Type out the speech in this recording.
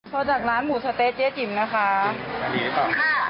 โทรจากร้านหมูสะเต๊ะเจ๊จิ๋มนะคะ